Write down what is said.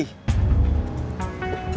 mau cari masalah lagi